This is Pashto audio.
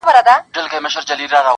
د کښتۍ آرام سفر سو ناکراره!.